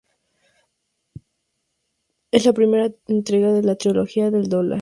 Es la primera entrega de la "Trilogía del dólar".